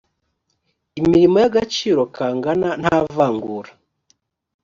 imirimo y agaciro kangana nta vangura